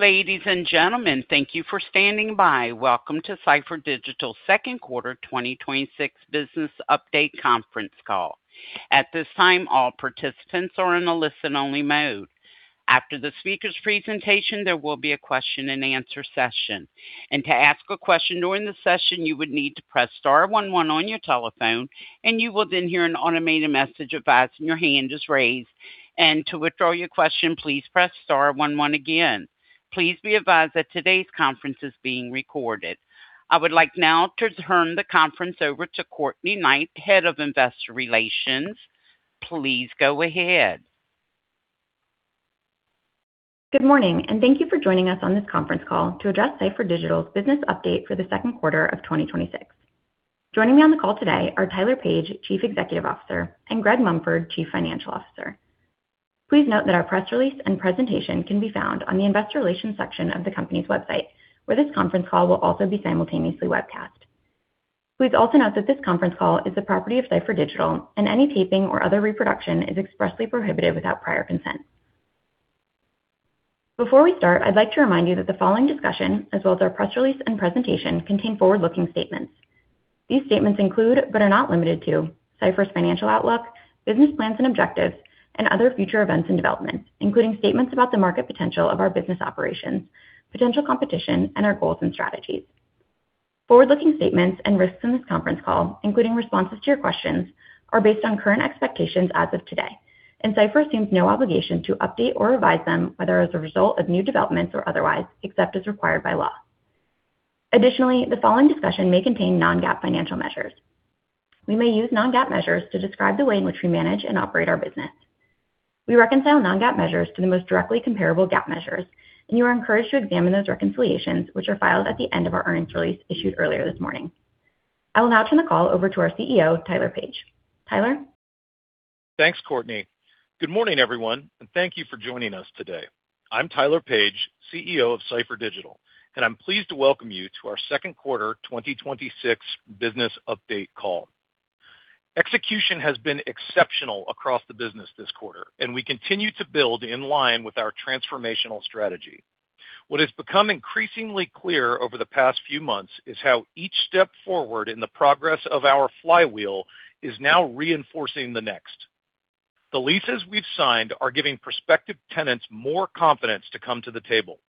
Ladies and gentlemen, thank you for standing by. Welcome to Cipher Digital second quarter 2026 business update conference call. At this time, all participants are in a listen-only mode. After the speaker's presentation, there will be a question and answer session. To ask a question during the session, you would need to press star one one on your telephone and you will then hear an automated message advising your hand is raised. To withdraw your question, please press star one one again. Please be advised that today's conference is being recorded. I would like now to turn the conference over to Courtney Knight, Head of Investor Relations. Please go ahead. Good morning. Thank you for joining us on this conference call to address Cipher Digital's business update for the second quarter of 2026. Joining me on the call today are Tyler Page, Chief Executive Officer, and Greg Mumford, Chief Financial Officer. Please note that our press release and presentation can be found on the investor relations section of the company's website, where this conference call will also be simultaneously webcast. Please also note that this conference call is the property of Cipher Digital. Any taping or other reproduction is expressly prohibited without prior consent. Before we start, I'd like to remind you that the following discussion, as well as our press release and presentation, contain forward-looking statements. These statements include, but are not limited to, Cipher's financial outlook, business plans and objectives, other future events and developments, including statements about the market potential of our business operations, potential competition, and our goals and strategies. Forward-looking statements and risks in this conference call, including responses to your questions, are based on current expectations as of today. Cipher assumes no obligation to update or revise them, whether as a result of new developments or otherwise, except as required by law. Additionally, the following discussion may contain non-GAAP financial measures. We may use non-GAAP measures to describe the way in which we manage and operate our business. We reconcile non-GAAP measures to the most directly comparable GAAP measures. You are encouraged to examine those reconciliations, which are filed at the end of our earnings release issued earlier this morning. I will now turn the call over to our CEO, Tyler Page. Tyler? Thanks, Courtney. Good morning, everyone, and thank you for joining us today. I'm Tyler Page, CEO of Cipher Digital, and I'm pleased to welcome you to our second quarter 2026 business update call. Execution has been exceptional across the business this quarter, and we continue to build in line with our transformational strategy. What has become increasingly clear over the past few months is how each step forward in the progress of our flywheel is now reinforcing the next. The leases we've signed are giving prospective tenants more confidence to come to the table.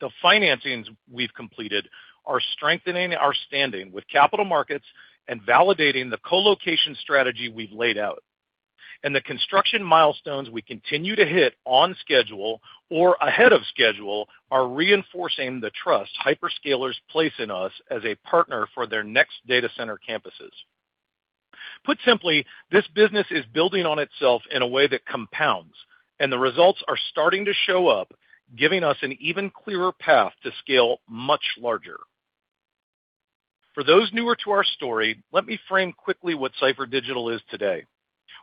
The financings we've completed are strengthening our standing with capital markets and validating the co-location strategy we've laid out. The construction milestones we continue to hit on schedule or ahead of schedule are reinforcing the trust hyperscalers place in us as a partner for their next data center campuses. Put simply, this business is building on itself in a way that compounds, and the results are starting to show up, giving us an even clearer path to scale much larger. For those newer to our story, let me frame quickly what Cipher Digital is today.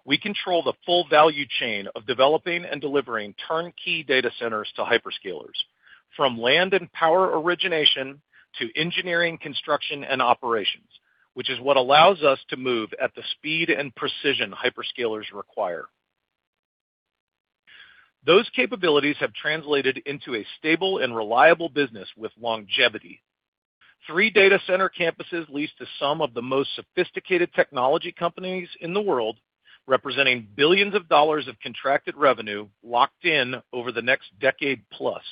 We control the full value chain of developing and delivering turnkey data centers to hyperscalers, from land and power origination to engineering, construction, and operations, which is what allows us to move at the speed and precision hyperscalers require. Those capabilities have translated into a stable and reliable business with longevity. Three data center campuses leased to some of the most sophisticated technology companies in the world, representing billions of dollars of contracted revenue locked in over the next decade plus.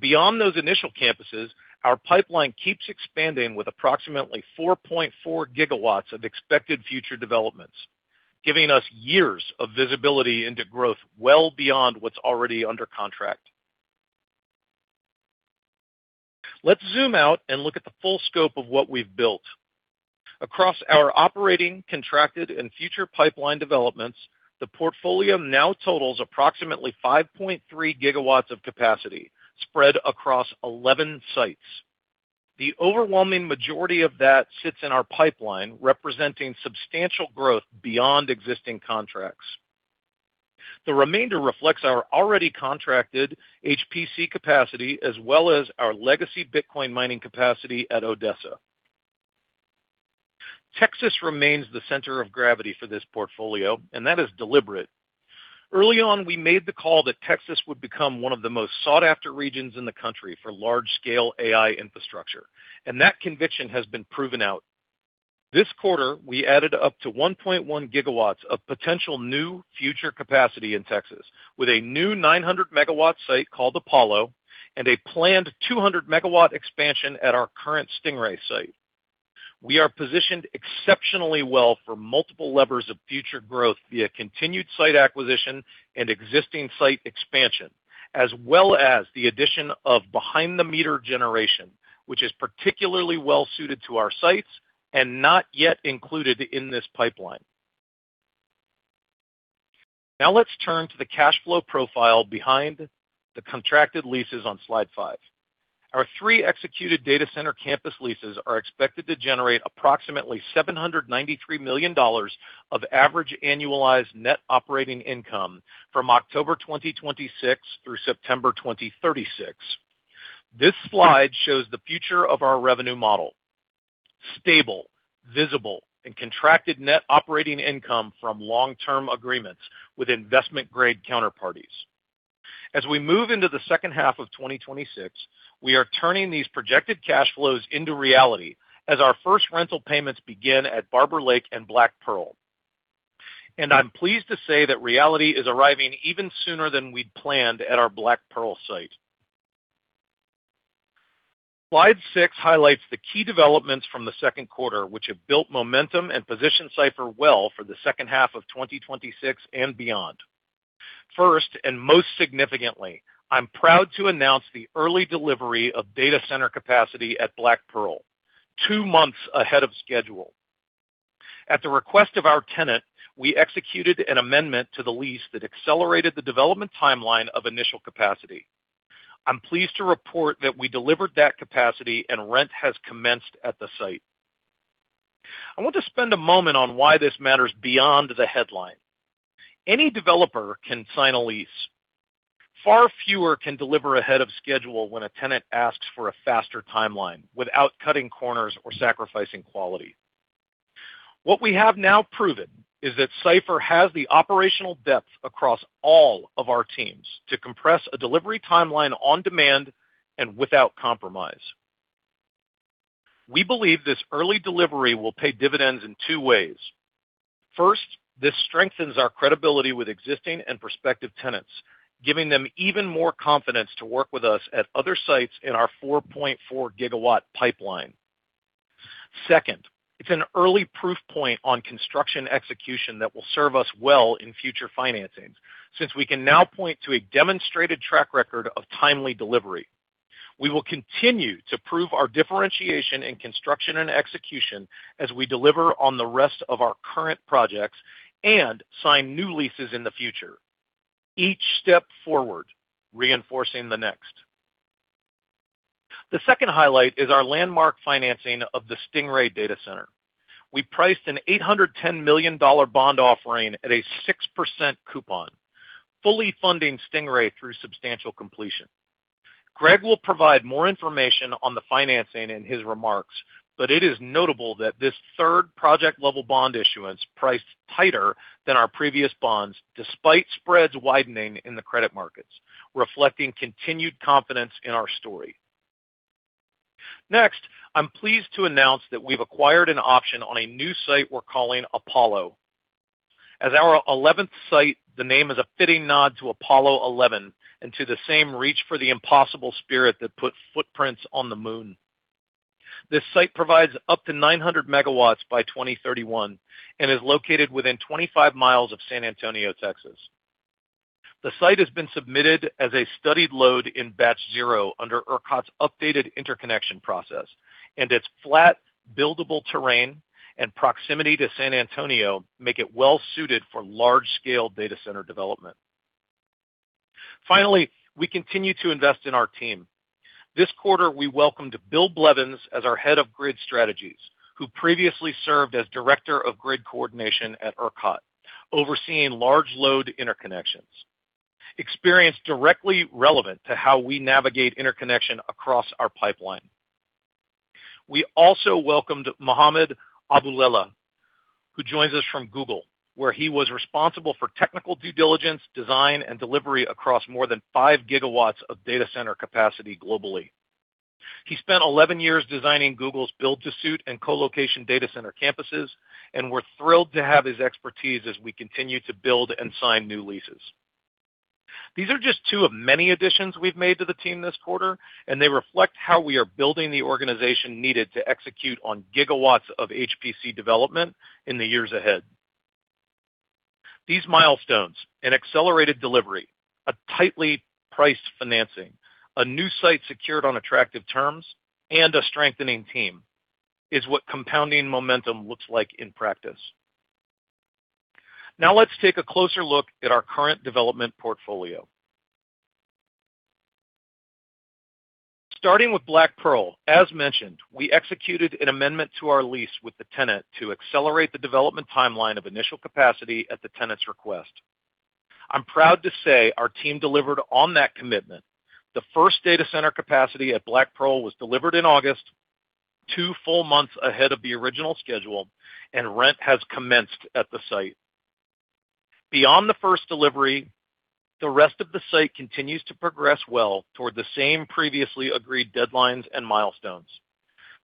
Beyond those initial campuses, our pipeline keeps expanding with approximately 4.4 GW of expected future developments, giving us years of visibility into growth well beyond what's already under contract. Let's zoom out and look at the full scope of what we've built. Across our operating, contracted, and future pipeline developments, the portfolio now totals approximately 5.3 GW of capacity spread across 11 sites. The overwhelming majority of that sits in our pipeline, representing substantial growth beyond existing contracts. The remainder reflects our already contracted HPC capacity as well as our legacy Bitcoin mining capacity at Odessa. Texas remains the center of gravity for this portfolio, and that is deliberate. Early on, we made the call that Texas would become one of the most sought-after regions in the country for large-scale AI infrastructure, and that conviction has been proven out. This quarter, we added up to 1.1 GWof potential new future capacity in Texas with a new 900 MW site called Apollo and a planned 200 MW expansion at our current Stingray site. We are positioned exceptionally well for multiple levers of future growth via continued site acquisition and existing site expansion, as well as the addition of behind-the-meter generation, which is particularly well suited to our sites and not yet included in this pipeline. Let's turn to the cash flow profile behind the contracted leases on slide five. Our three executed data center campus leases are expected to generate approximately $793 million of average annualized net operating income from October 2026 through September 2036. This slide shows the future of our revenue model, stable, visible, and contracted net operating income from long-term agreements with investment-grade counterparties. As we move into the second half of 2026, we are turning these projected cash flows into reality as our first rental payments begin at Barber Lake and Black Pearl. I'm pleased to say that reality is arriving even sooner than we'd planned at our Black Pearl site. Slide six highlights the key developments from the second quarter, which have built momentum and position Cipher well for the second half of 2026 and beyond. First, and most significantly, I'm proud to announce the early delivery of data center capacity at Black Pearl, two months ahead of schedule. At the request of our tenant, we executed an amendment to the lease that accelerated the development timeline of initial capacity. I'm pleased to report that we delivered that capacity and rent has commenced at the site. I want to spend a moment on why this matters beyond the headline. Any developer can sign a lease. Far fewer can deliver ahead of schedule when a tenant asks for a faster timeline without cutting corners or sacrificing quality. What we have now proven is that Cipher has the operational depth across all of our teams to compress a delivery timeline on demand and without compromise. We believe this early delivery will pay dividends in two ways. First, this strengthens our credibility with existing and prospective tenants, giving them even more confidence to work with us at other sites in our 4.4 GW pipeline. Second, it's an early proof point on construction execution that will serve us well in future financings, since we can now point to a demonstrated track record of timely delivery. We will continue to prove our differentiation in construction and execution as we deliver on the rest of our current projects and sign new leases in the future, each step forward reinforcing the next. The second highlight is our landmark financing of the Stingray data center. We priced an $810 million bond offering at a 6% coupon, fully funding Stingray through substantial completion. Greg will provide more information on the financing in his remarks, but it is notable that this third project-level bond issuance priced tighter than our previous bonds, despite spreads widening in the credit markets, reflecting continued confidence in our story. Next, I'm pleased to announce that we've acquired an option on a new site we're calling Apollo. As our 11th site, the name is a fitting nod to Apollo 11 and to the same reach for the impossible spirit that put footprints on the moon. This site provides up to 900 MW by 2031 and is located within 25 mi of San Antonio, Texas. The site has been submitted as a studied load in Batch Zero under ERCOT's updated interconnection process, and its flat, buildable terrain and proximity to San Antonio make it well-suited for large-scale data center development. Finally, we continue to invest in our team. This quarter, we welcomed Bill Blevins as our Head of Grid Strategies, who previously served as director of grid coordination at ERCOT, overseeing large load interconnections, experience directly relevant to how we navigate interconnection across our pipeline. We also welcomed Mohamed Abouelella, who joins us from Google, where he was responsible for technical due diligence, design, and delivery across more than 5 GW of data center capacity globally. He spent 11 years designing Google's build-to-suit and colocation data center campuses, and we're thrilled to have his expertise as we continue to build and sign new leases. These are just two of many additions we've made to the team this quarter, and they reflect how we are building the organization needed to execute on gigawatts of HPC development in the years ahead. These milestones, an accelerated delivery, a tightly priced financing, a new site secured on attractive terms, and a strengthening team, is what compounding momentum looks like in practice. Let's take a closer look at our current development portfolio. Starting with Black Pearl, as mentioned, we executed an amendment to our lease with the tenant to accelerate the development timeline of initial capacity at the tenant's request. I'm proud to say our team delivered on that commitment. The first data center capacity at Black Pearl was delivered in August, two full months ahead of the original schedule, and rent has commenced at the site. Beyond the first delivery, the rest of the site continues to progress well toward the same previously agreed deadlines and milestones.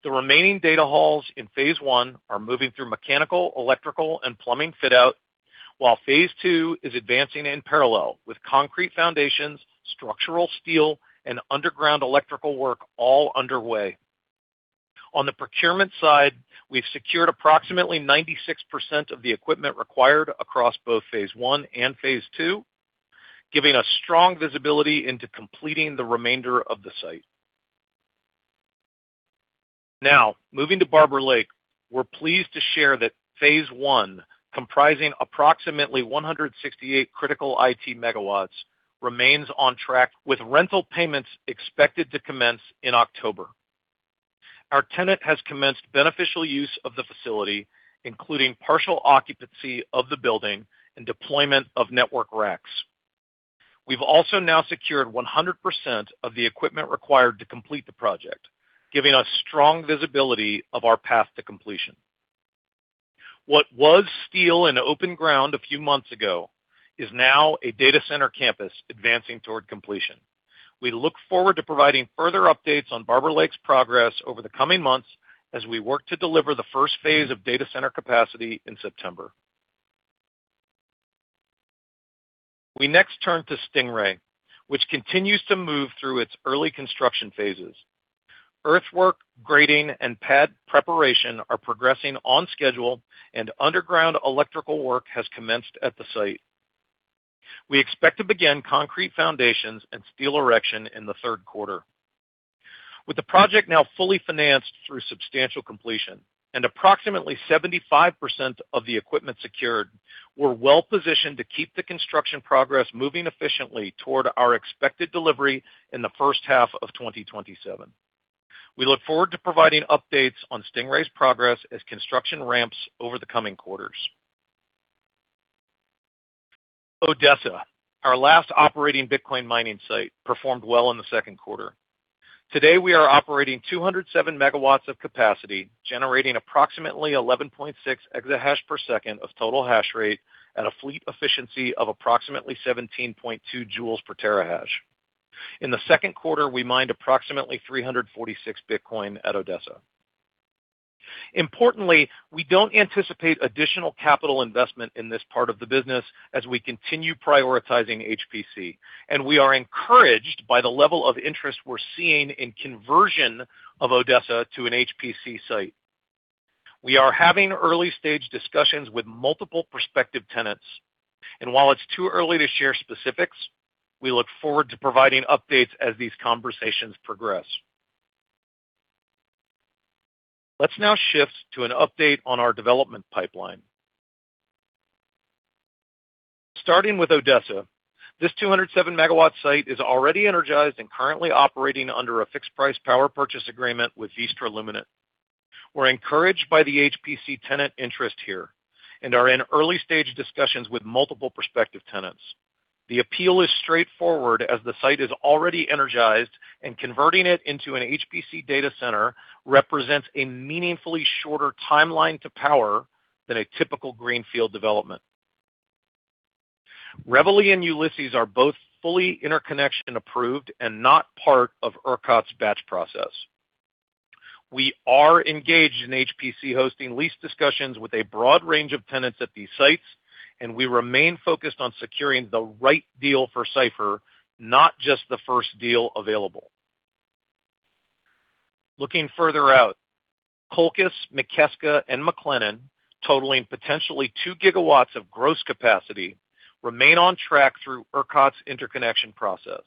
The remaining data halls in phase I are moving through mechanical, electrical, and plumbing fit-out, while phase II is advancing in parallel with concrete foundations, structural steel, and underground electrical work all underway. On the procurement side, we've secured approximately 96% of the equipment required across both phase I and phase II, giving us strong visibility into completing the remainder of the site. Moving to Barber Lake, we're pleased to share that phase I, comprising approximately 168 critical IT megawatts, remains on track with rental payments expected to commence in October. Our tenant has commenced beneficial use of the facility, including partial occupancy of the building and deployment of network racks. We've also now secured 100% of the equipment required to complete the project, giving us strong visibility of our path to completion. What was steel and open ground a few months ago is now a data center campus advancing toward completion. We look forward to providing further updates on Barber Lake's progress over the coming months as we work to deliver the first phase of data center capacity in September. We next turn to Stingray, which continues to move through its early construction phases. Earthwork, grading, and pad preparation are progressing on schedule, and underground electrical work has commenced at the site. We expect to begin concrete foundations and steel erection in the third quarter. With the project now fully financed through substantial completion, and approximately 75% of the equipment secured, we're well-positioned to keep the construction progress moving efficiently toward our expected delivery in the first half of 2027. We look forward to providing updates on Stingray's progress as construction ramps over the coming quarters. Odessa, our last operating Bitcoin mining site, performed well in the second quarter. Today, we are operating 207 MW of capacity, generating approximately 11.6 exahash per second of total hashrate at a fleet efficiency of approximately 17.2 joules per terahash. In the second quarter, we mined approximately 346 Bitcoin at Odessa. Importantly, we don't anticipate additional capital investment in this part of the business as we continue prioritizing HPC, and we are encouraged by the level of interest we're seeing in conversion of Odessa to an HPC site. We are having early-stage discussions with multiple prospective tenants, and while it's too early to share specifics, we look forward to providing updates as these conversations progress. Let's now shift to an update on our development pipeline. Starting with Odessa, this 207 MW site is already energized and currently operating under a fixed-price power purchase agreement with Vistra Luminant. We're encouraged by the HPC tenant interest here and are in early-stage discussions with multiple prospective tenants. The appeal is straightforward, as the site is already energized, and converting it into an HPC data center represents a meaningfully shorter timeline to power than a typical greenfield development. Reveille and Ulysses are both fully interconnection approved and not part of ERCOT's batch process. We are engaged in HPC hosting lease discussions with a broad range of tenants at these sites, and we remain focused on securing the right deal for Cipher, not just the first deal available. Looking further out, Colchis, Mikeska, and McLennan, totaling potentially 2 GW of gross capacity, remain on track through ERCOT's interconnection process.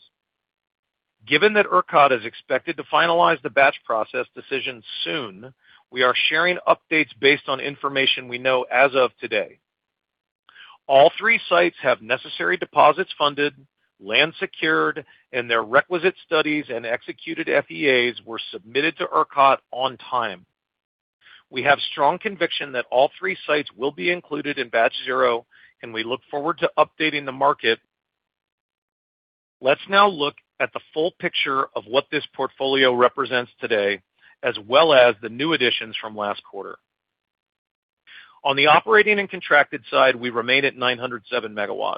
Given that ERCOT is expected to finalize the batch process decision soon, we are sharing updates based on information we know as of today. All three sites have necessary deposits funded, land secured, and their requisite studies and executed FEAs were submitted to ERCOT on time. We have strong conviction that all three sites will be included in Batch Zero, and we look forward to updating the market. Let's now look at the full picture of what this portfolio represents today, as well as the new additions from last quarter. On the operating and contracted side, we remain at 907 MW.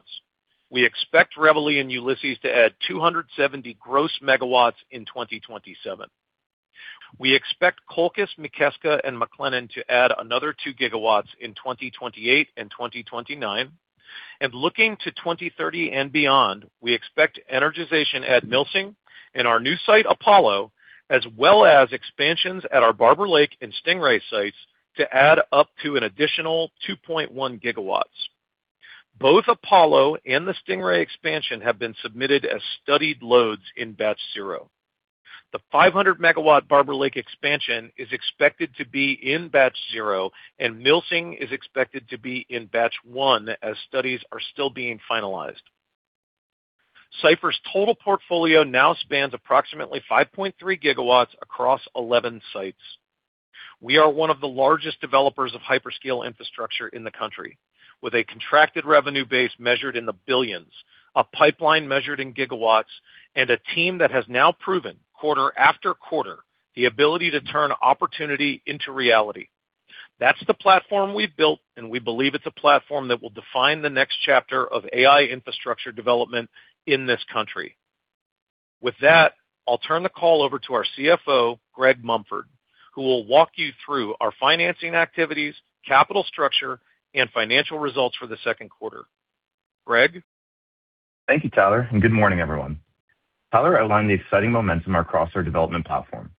We expect Reveille and Ulysses to add 270 gross megawatts in 2027. We expect Colchis, Mikeska, and McLennan to add another 2 GW in 2028 and 2029. Looking to 2030 and beyond, we expect energization at Milsing and our new site, Apollo, as well as expansions at our Barber Lake and Stingray sites to add up to an additional 2.1 GW. Both Apollo and the Stingray expansion have been submitted as studied loads in Batch Zero. The 500 MW Barber Lake expansion is expected to be in Batch Zero, and Milsing is expected to be in Batch 1 as studies are still being finalized. Cipher's total portfolio now spans approximately 5.3 GW across 11 sites. We are one of the largest developers of hyperscale infrastructure in the country, with a contracted revenue base measured in the billions, a pipeline measured in gigawatts, and a team that has now proven quarter after quarter the ability to turn opportunity into reality. That's the platform we've built, and we believe it's a platform that will define the next chapter of AI infrastructure development in this country. With that, I'll turn the call over to our CFO, Greg Mumford, who will walk you through our financing activities, capital structure, and financial results for the second quarter. Greg? Thank you, Tyler, and good morning, everyone. Tyler outlined the exciting momentum across our development platform.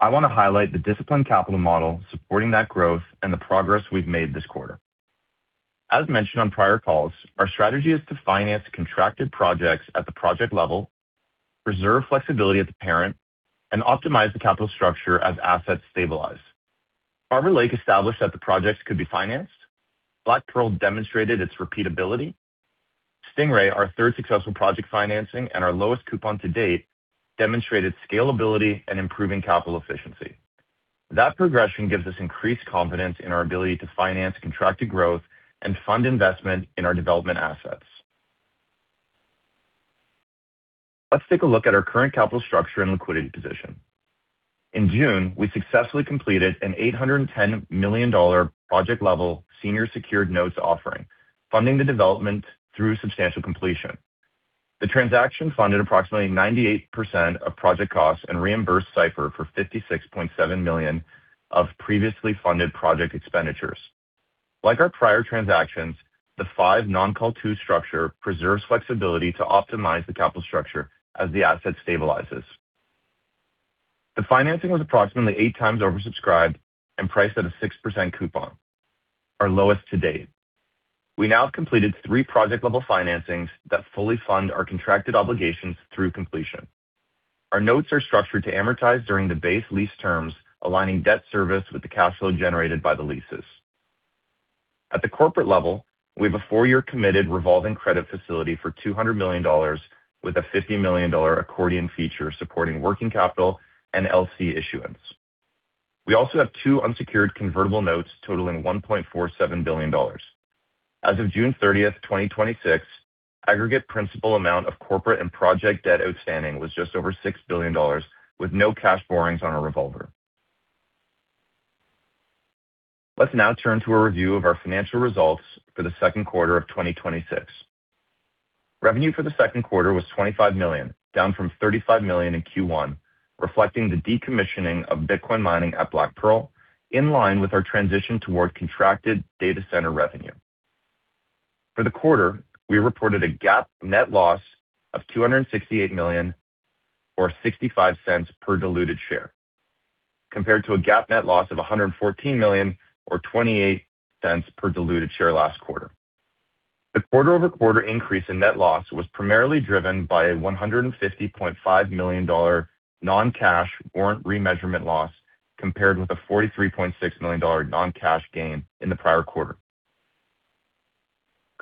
I want to highlight the disciplined capital model supporting that growth and the progress we've made this quarter. As mentioned on prior calls, our strategy is to finance contracted projects at the project level, reserve flexibility at the parent, and optimize the capital structure as assets stabilize. Barber Lake established that the projects could be financed. Black Pearl demonstrated its repeatability. Stingray, our third successful project financing and our lowest coupon to date, demonstrated scalability and improving capital efficiency. That progression gives us increased confidence in our ability to finance contracted growth and fund investment in our development assets. Let's take a look at our current capital structure and liquidity position. In June, we successfully completed an $810 million project-level senior secured notes offering, funding the development through substantial completion. The transaction funded approximately 98% of project costs and reimbursed Cipher for $56.7 million of previously funded project expenditures. Like our prior transactions, the five non-call two structure preserves flexibility to optimize the capital structure as the asset stabilizes. The financing was approximately 8x oversubscribed and priced at a 6% coupon, our lowest to date. We now have completed three project-level financings that fully fund our contracted obligations through completion. Our notes are structured to amortize during the base lease terms, aligning debt service with the cash flow generated by the leases. At the corporate level, we have a four-year committed revolving credit facility for $200 million with a $50 million accordion feature supporting working capital and LC issuance. We also have two unsecured convertible notes totaling $1.47 billion. As of June 30th, 2026, aggregate principal amount of corporate and project debt outstanding was just over $6 billion, with no cash borrowings on our revolver. Let's now turn to a review of our financial results for the second quarter of 2026. Revenue for the second quarter was $25 million, down from $35 million in Q1, reflecting the decommissioning of Bitcoin mining at Black Pearl, in line with our transition toward contracted data center revenue. For the quarter, we reported a GAAP net loss of $268 million, or $0.65 per diluted share, compared to a GAAP net loss of $114 million, or $0.28 per diluted share last quarter. The quarter-over-quarter increase in net loss was primarily driven by a $150.5 million non-cash warrant remeasurement loss, compared with a $43.6 million non-cash gain in the prior quarter.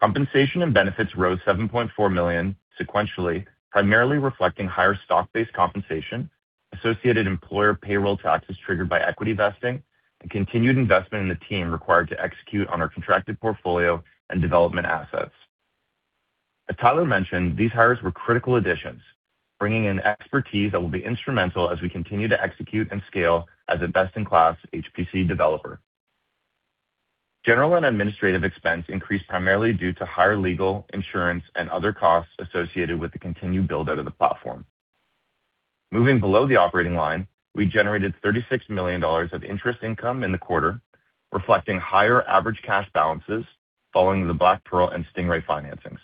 Compensation and benefits rose $7.4 million sequentially, primarily reflecting higher stock-based compensation, associated employer payroll taxes triggered by equity vesting, and continued investment in the team required to execute on our contracted portfolio and development assets. As Tyler mentioned, these hires were critical additions, bringing in expertise that will be instrumental as we continue to execute and scale as a best-in-class HPC developer. General and administrative expense increased primarily due to higher legal, insurance, and other costs associated with the continued build-out of the platform. Moving below the operating line, we generated $36 million of interest income in the quarter, reflecting higher average cash balances following the Black Pearl and Stingray financings.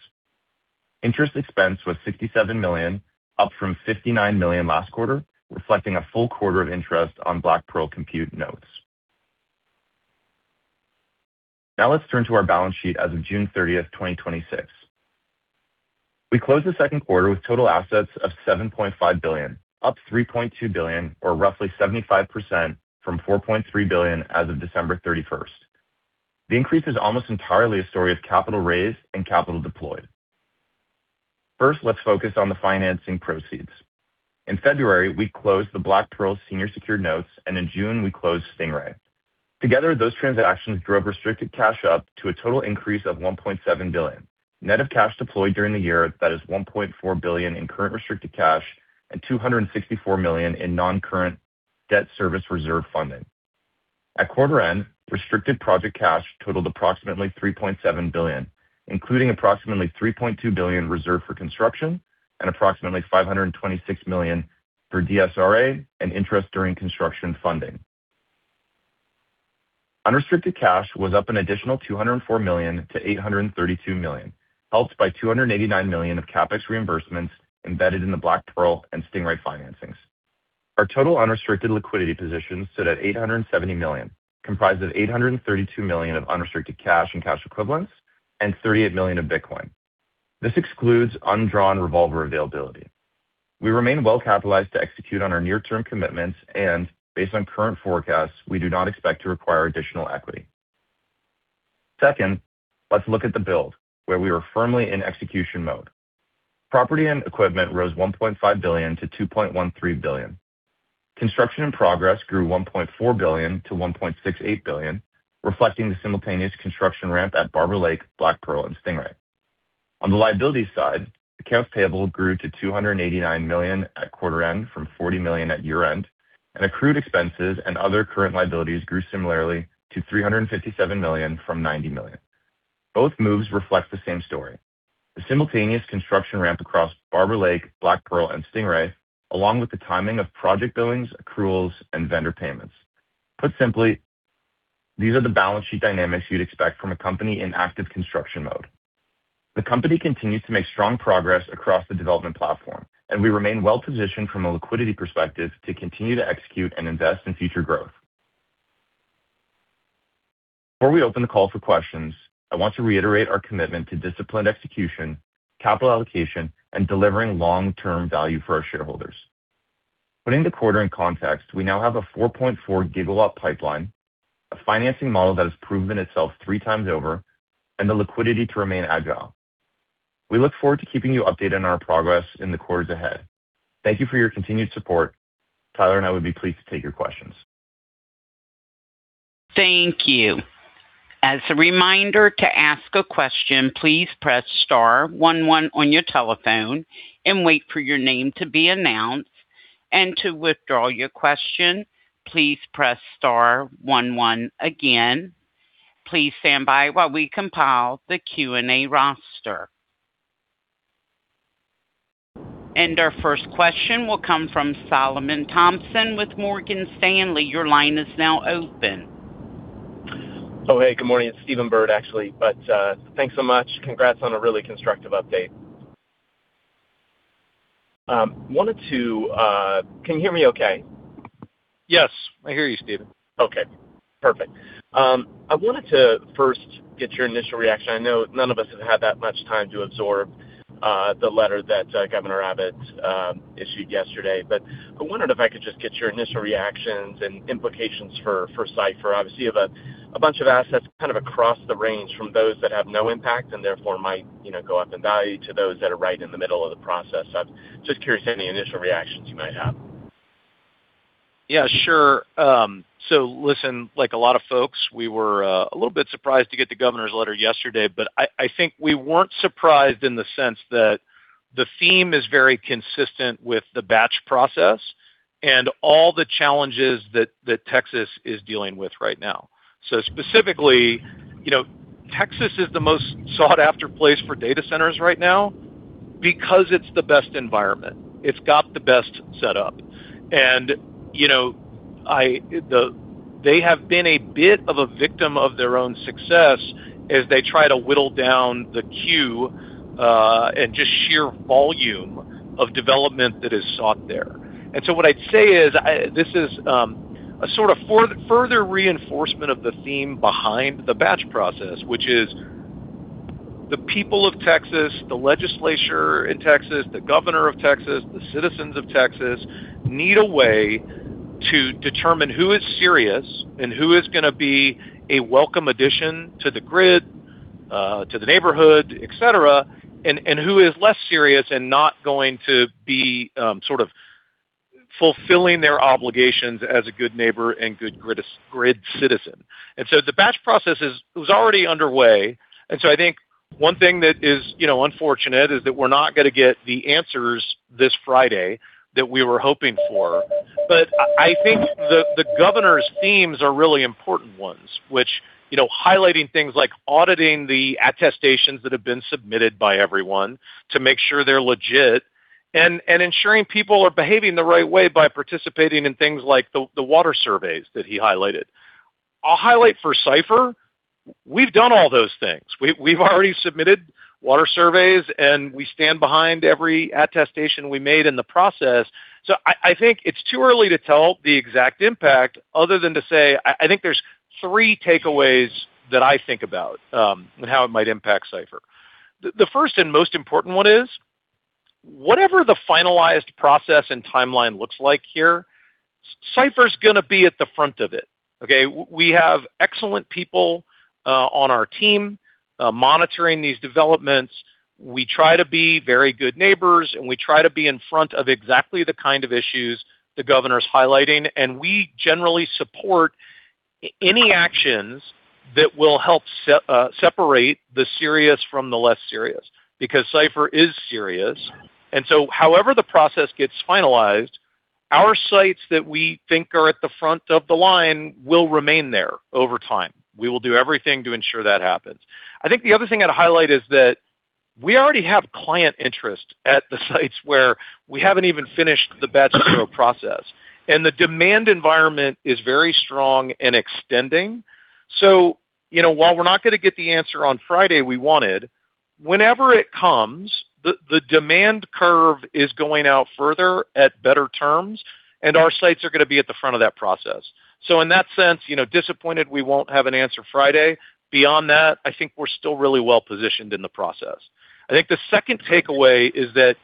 Interest expense was $67 million, up from $59 million last quarter, reflecting a full quarter of interest on Black Pearl Compute notes. Now let's turn to our balance sheet as of June 30th, 2026. We closed the second quarter with total assets of $7.5 billion, up $3.2 billion, or roughly 75% from $4.3 billion as of December 31st. The increase is almost entirely a story of capital raised and capital deployed. First, let's focus on the financing proceeds. In February, we closed the Black Pearl Compute notes, and in June, we closed Stingray. Together, those transactions drove restricted cash up to a total increase of $1.7 billion. Net of cash deployed during the year, that is $1.4 billion in current restricted cash and $264 million in non-current debt service reserve funding. At quarter end, restricted project cash totaled approximately $3.7 billion, including approximately $3.2 billion reserved for construction and approximately $526 million for DSRA and interest during construction funding. Unrestricted cash was up an additional $204 million to $832 million, helped by $289 million of CapEx reimbursements embedded in the Black Pearl and Stingray financings. Our total unrestricted liquidity position stood at $870 million, comprised of $832 million of unrestricted cash and cash equivalents and $38 million of Bitcoin. This excludes undrawn revolver availability. We remain well capitalized to execute on our near-term commitments, and based on current forecasts, we do not expect to require additional equity. Second, let's look at the build, where we are firmly in execution mode. Property and equipment rose $1.5 billion-$2.13 billion. Construction in progress grew $1.4 billion-$1.68 billion, reflecting the simultaneous construction ramp at Barber Lake, Black Pearl and Stingray. On the liability side, accounts payable grew to $289 million at quarter end from $40 million at year end, and accrued expenses and other current liabilities grew similarly to $357 million from $90 million. Both moves reflect the same story. The simultaneous construction ramp across Barber Lake, Black Pearl and Stingray, along with the timing of project billings, accruals, and vendor payments. Put simply, these are the balance sheet dynamics you'd expect from a company in active construction mode. The company continues to make strong progress across the development platform, and we remain well-positioned from a liquidity perspective to continue to execute and invest in future growth. Before we open the call for questions, I want to reiterate our commitment to disciplined execution, capital allocation, and delivering long-term value for our shareholders. Putting the quarter in context, we now have a 4.4 GW pipeline, a financing model that has proven itself 3x over, and the liquidity to remain agile. We look forward to keeping you updated on our progress in the quarters ahead. Thank you for your continued support. Tyler and I would be pleased to take your questions. Thank you. As a reminder to ask a question, please press star one one on your telephone and wait for your name to be announced. To withdraw your question, please press star one one again. Please stand by while we compile the Q&A roster. Our first question will come from Solomon Thompson with Morgan Stanley. Your line is now open. Oh, hey, good morning. It's Stephen Byrd, actually. Thanks so much. Congrats on a really constructive update. Can you hear me okay? Yes, I hear you, Stephen. Okay, perfect. I wanted to first get your initial reaction. I know none of us have had that much time to absorb the letter that Greg Abbott issued yesterday, but I wondered if I could just get your initial reactions and implications for Cipher. Obviously, you have a bunch of assets kind of across the range from those that have no impact and therefore might go up in value to those that are right in the middle of the process. Just curious any initial reactions you might have. Yeah, sure. Listen, like a lot of folks, we were a little bit surprised to get the Governor's letter yesterday, but I think we weren't surprised in the sense that the theme is very consistent with the batch process and all the challenges that Texas is dealing with right now. Specifically, Texas is the most sought-after place for data centers right now because it's the best environment. It's got the best setup. They have been a bit of a victim of their own success as they try to whittle down the queue and just sheer volume of development that is sought there. What I'd say is, this is a sort of further reinforcement of the theme behind the batch process, which is the people of Texas, the legislature in Texas, the Governor of Texas, the citizens of Texas need a way to determine who is serious and who is going to be a welcome addition to the grid, to the neighborhood, et cetera, and who is less serious and not going to be sort of fulfilling their obligations as a good neighbor and good grid citizen. The batch process was already underway. I think one thing that is unfortunate is that we're not going to get the answers this Friday that we were hoping for. I think the Governor's themes are really important ones, which highlighting things like auditing the attestations that have been submitted by everyone to make sure they're legit and ensuring people are behaving the right way by participating in things like the water surveys that he highlighted. I'll highlight for Cipher, we've done all those things. We've already submitted water surveys, and we stand behind every attestation we made in the process. I think it's too early to tell the exact impact other than to say I think there's three takeaways that I think about and how it might impact Cipher. The first and most important one is, whatever the finalized process and timeline looks like here, Cipher is going to be at the front of it. Okay. We have excellent people on our team monitoring these developments. We try to be very good neighbors, we try to be in front of exactly the kind of issues the Governor's highlighting. We generally support any actions that will help separate the serious from the less serious because Cipher is serious. However the process gets finalized, our sites that we think are at the front of the line will remain there over time. We will do everything to ensure that happens. I think the other thing I'd highlight is that we already have client interest at the sites where we haven't even finished the Batch Zero process and the demand environment is very strong and extending. While we're not going to get the answer on Friday we wanted, whenever it comes, the demand curve is going out further at better terms, and our sites are going to be at the front of that process. In that sense, disappointed we won't have an answer Friday. Beyond that, I think we're still really well positioned in the process. I think the second takeaway is that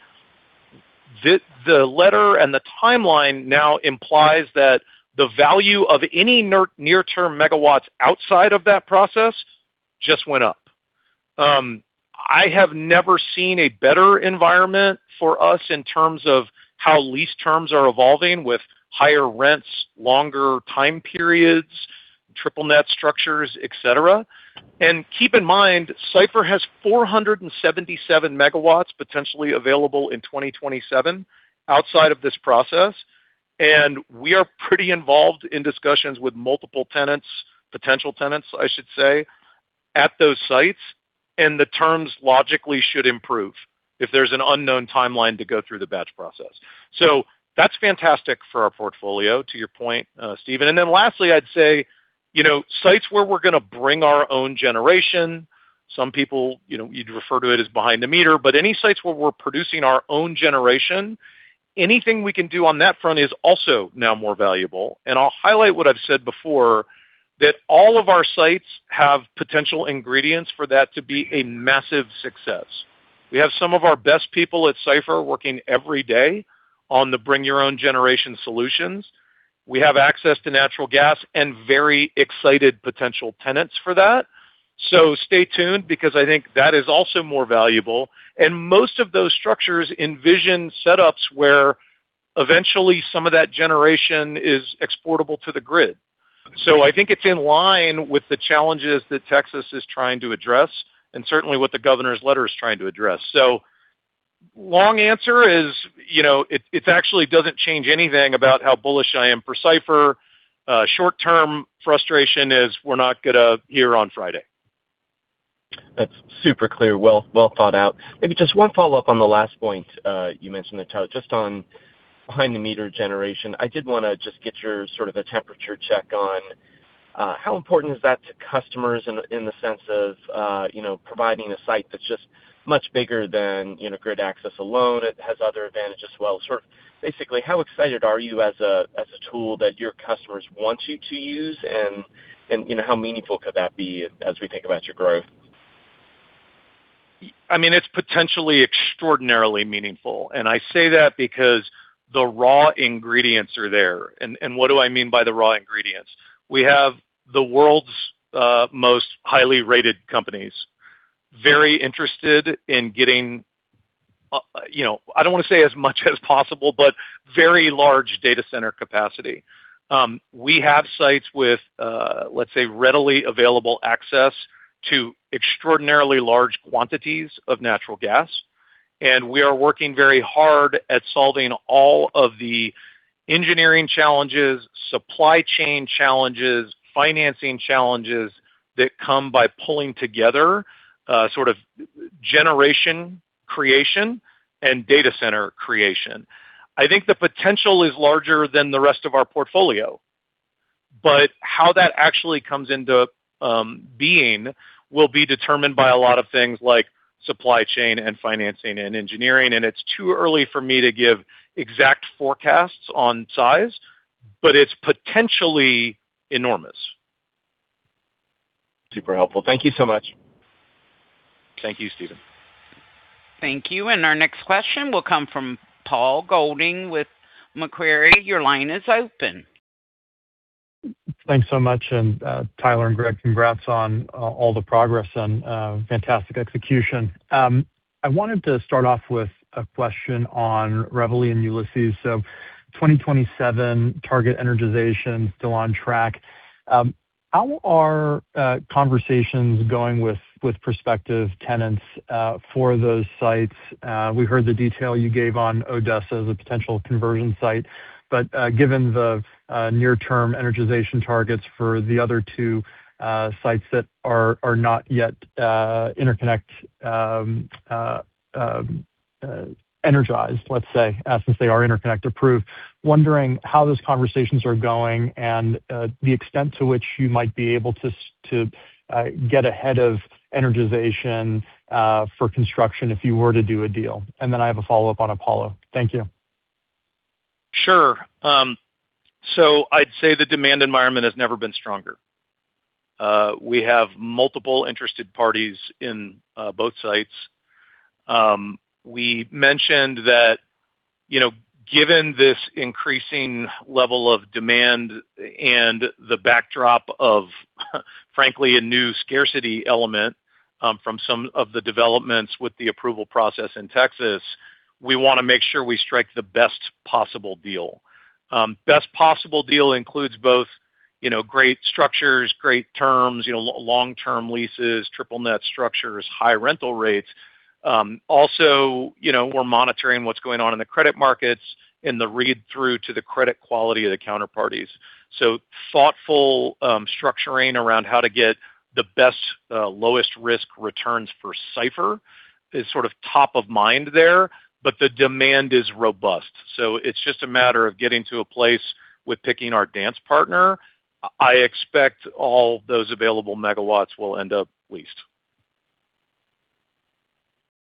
the letter and the timeline now implies that the value of any near-term megawatts outside of that process just went up. I have never seen a better environment for us in terms of how lease terms are evolving with higher rents, longer time periods, triple net structures, et cetera. Keep in mind, Cipher has 477 MW potentially available in 2027 outside of this process, and we are pretty involved in discussions with multiple tenants, potential tenants I should say, at those sites, and the terms logically should improve if there's an unknown timeline to go through the batch process. That's fantastic for our portfolio, to your point, Stephen. Lastly, I'd say sites where we're going to bring our own generation. Some people you'd refer to it as behind the meter, but any sites where we're producing our own generation, anything we can do on that front is also now more valuable. I'll highlight what I've said before, that all of our sites have potential ingredients for that to be a massive success. We have some of our best people at Cipher working every day on the bring your own generation solutions. We have access to natural gas and very excited potential tenants for that. Stay tuned because I think that is also more valuable. Most of those structures envision setups where eventually some of that generation is exportable to the grid. I think it's in line with the challenges that Texas is trying to address and certainly what the Governor's letter is trying to address. Long answer is, it actually doesn't change anything about how bullish I am for Cipher. Short term frustration is we're not going to hear on Friday. That's super clear. Well thought out. Maybe just one follow-up on the last point you mentioned, Tyler, just on behind the meter generation. I did want to just get your sort of a temperature check on, how important is that to customers in the sense of providing a site that's just much bigger than grid access alone. It has other advantages as well. Sort of basically, how excited are you as a tool that your customers want you to use and how meaningful could that be as we think about your growth? It's potentially extraordinarily meaningful. I say that because the raw ingredients are there. What do I mean by the raw ingredients? We have the world's most highly rated companies, very interested in getting, I don't want to say as much as possible, but very large data center capacity. We have sites with, let's say, readily available access to extraordinarily large quantities of natural gas. We are working very hard at solving all of the engineering challenges, supply chain challenges, financing challenges that come by pulling together sort of generation creation and data center creation. I think the potential is larger than the rest of our portfolio. How that actually comes into being will be determined by a lot of things like supply chain and financing and engineering. It's too early for me to give exact forecasts on size, but it's potentially enormous. Super helpful. Thank you so much. Thank you, Stephen. Thank you. Our next question will come from Paul Golding with Macquarie. Your line is open. Thanks so much. Tyler and Greg, congrats on all the progress and fantastic execution. I wanted to start off with a question on Reveille and Ulysses. 2027 target energization still on track. How are conversations going with prospective tenants for those sites? We heard the detail you gave on Odessa as a potential conversion site, given the near-term energization targets for the other two sites that are not yet interconnect-energized, let's say, since they are interconnect-approved. Wondering how those conversations are going and the extent to which you might be able to get ahead of energization for construction if you were to do a deal. I have a follow up on Apollo. Thank you. Sure. I'd say the demand environment has never been stronger. We have multiple interested parties in both sites. We mentioned that, given this increasing level of demand and the backdrop of, frankly, a new scarcity element from some of the developments with the approval process in Texas, we want to make sure we strike the best possible deal. Best possible deal includes both great structures, great terms, long-term leases, triple net structures, high rental rates. Also, we're monitoring what's going on in the credit markets and the read-through to the credit quality of the counterparties. Thoughtful structuring around how to get the best lowest risk returns for Cipher is sort of top of mind there, the demand is robust. It's just a matter of getting to a place with picking our dance partner. I expect all those available megawatts will end up leased.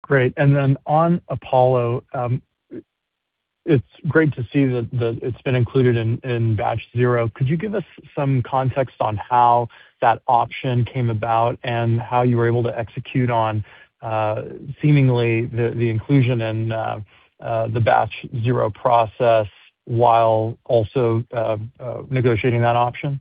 Great. On Apollo, it's great to see that it's been included in Batch Zero. Could you give us some context on how that option came about and how you were able to execute on seemingly the inclusion in the Batch Zero process while also negotiating that option?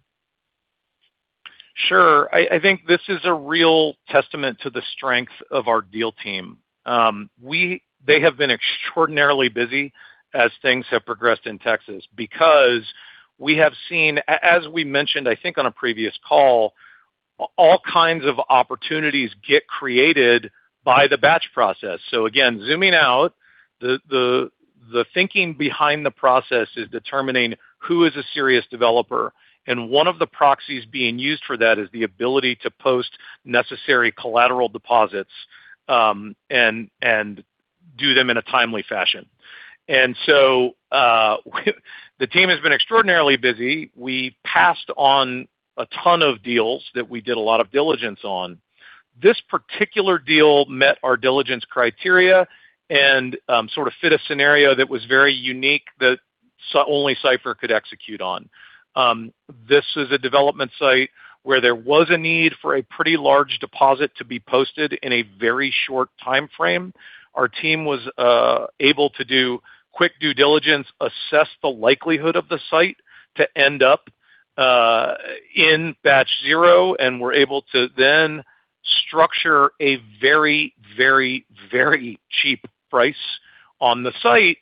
Sure. I think this is a real testament to the strength of our deal team. They have been extraordinarily busy as things have progressed in Texas because we have seen, as we mentioned, I think on a previous call, all kinds of opportunities get created by the batch process. Again, zooming out, the thinking behind the process is determining who is a serious developer, one of the proxies being used for that is the ability to post necessary collateral deposits, do them in a timely fashion. The team has been extraordinarily busy. We passed on a ton of deals that we did a lot of diligence on. This particular deal met our diligence criteria and sort of fit a scenario that was very unique that only Cipher could execute on. This is a development site where there was a need for a pretty large deposit to be posted in a very short timeframe. Our team was able to do quick due diligence, assess the likelihood of the site to end up in Batch Zero, and were able to then structure a very cheap price on the site,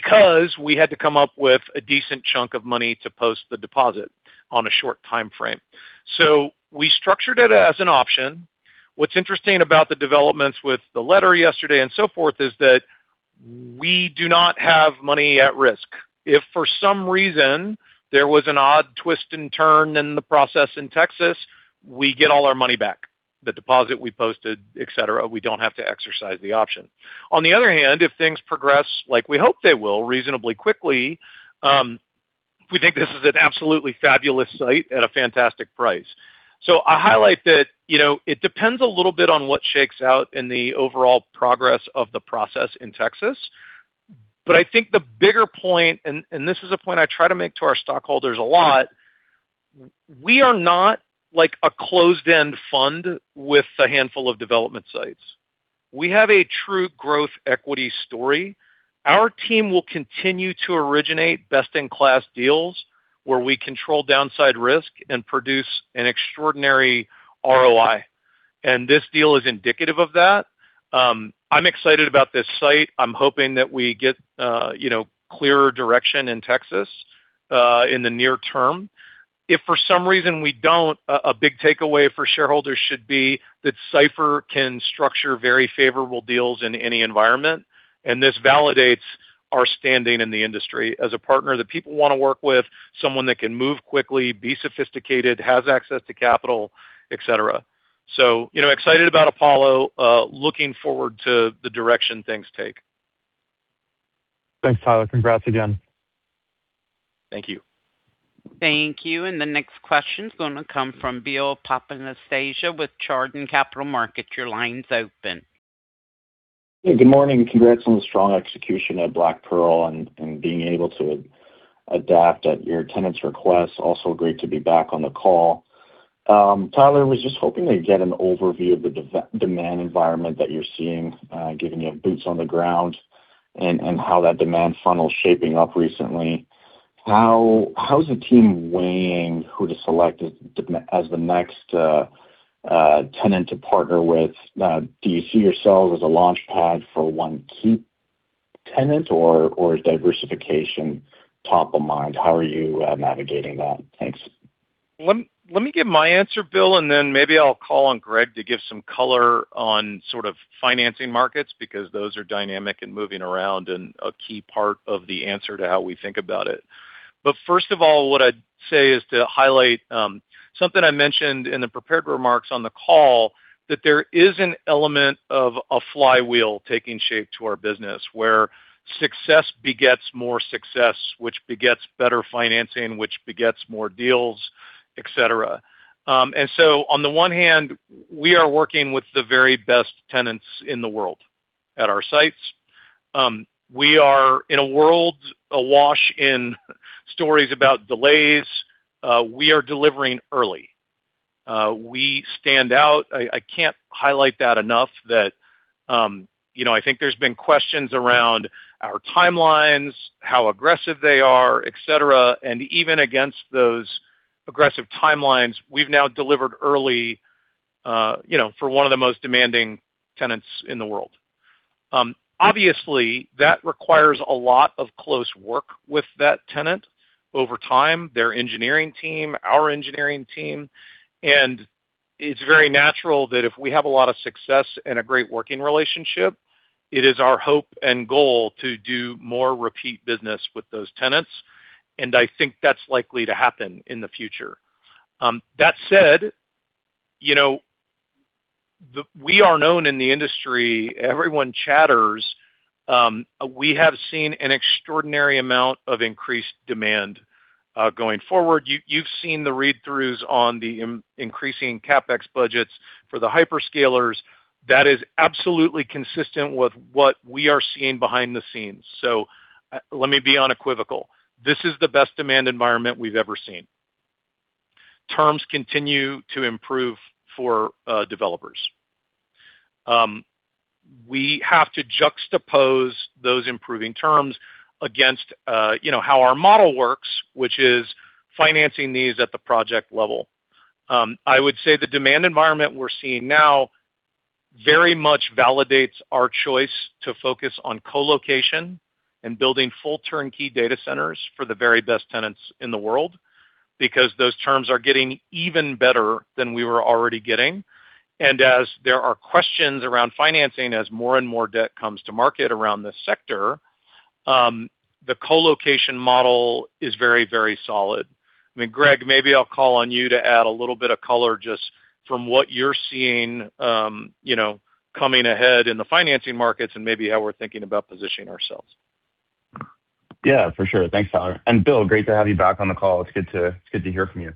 because we had to come up with a decent chunk of money to post the deposit on a short timeframe. We structured it as an option. What's interesting about the developments with the letter yesterday and so forth is that we do not have money at risk. If for some reason there was an odd twist and turn in the process in Texas, we get all our money back, the deposit we posted, et cetera. We don't have to exercise the option. On the other hand, if things progress like we hope they will reasonably quickly, we think this is an absolutely fabulous site at a fantastic price. I highlight that it depends a little bit on what shakes out in the overall progress of the process in Texas. I think the bigger point, and this is a point I try to make to our stockholders a lot, we are not a closed-end fund with a handful of development sites. We have a true growth equity story. Our team will continue to originate best-in-class deals where we control downside risk and produce an extraordinary ROI, and this deal is indicative of that. I'm excited about this site. I'm hoping that we get clearer direction in Texas, in the near term. If for some reason we don't, a big takeaway for shareholders should be that Cipher can structure very favorable deals in any environment, and this validates our standing in the industry as a partner that people want to work with, someone that can move quickly, be sophisticated, has access to capital, et cetera. Excited about Apollo. Looking forward to the direction things take. Thanks, Tyler. Congrats again. Thank you. Thank you. The next question's going to come from Bill Papanastasiou with Chardan Capital Markets. Your line's open. Hey, good morning. Congrats on the strong execution at Black Pearl and being able to adapt at your tenants' requests. Also great to be back on the call. Tyler, was just hoping to get an overview of the demand environment that you're seeing, given you have boots on the ground, and how that demand funnel's shaping up recently. How's the team weighing who to select as the next tenant to partner with? Do you see yourselves as a launchpad for one key tenant, or is diversification top of mind? How are you navigating that? Thanks. Let me give my answer, Bill, and then maybe I'll call on Greg to give some color on sort of financing markets, because those are dynamic and moving around and a key part of the answer to how we think about it. First of all, what I'd say is to highlight something I mentioned in the prepared remarks on the call, that there is an element of a flywheel taking shape to our business, where success begets more success, which begets better financing, which begets more deals, et cetera. On the one hand, we are working with the very best tenants in the world at our sites. We are in a world awash in stories about delays. We are delivering early. We stand out. I can't highlight that enough that I think there's been questions around our timelines, how aggressive they are, et cetera, and even against those aggressive timelines, we've now delivered early for one of the most demanding tenants in the world. Obviously, that requires a lot of close work with that tenant over time, their engineering team, our engineering team, and it's very natural that if we have a lot of success and a great working relationship, it is our hope and goal to do more repeat business with those tenants, and I think that's likely to happen in the future. That said, we are known in the industry. Everyone chatters. We have seen an extraordinary amount of increased demand going forward. You've seen the read-throughs on the increasing CapEx budgets for the hyperscalers. That is absolutely consistent with what we are seeing behind the scenes. Let me be unequivocal. This is the best demand environment we've ever seen. Terms continue to improve for developers. We have to juxtapose those improving terms against how our model works, which is financing these at the project level. I would say the demand environment we're seeing now very much validates our choice to focus on co-location and building full turnkey data centers for the very best tenants in the world, because those terms are getting even better than we were already getting. As there are questions around financing, as more and more debt comes to market around this sector, the co-location model is very solid. I mean, Greg, maybe I'll call on you to add a little bit of color just from what you're seeing coming ahead in the financing markets and maybe how we're thinking about positioning ourselves. For sure. Thanks, Tyler, and Bill, great to have you back on the call. It's good to hear from you.